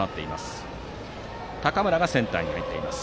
日大三高村がセンターに入っています。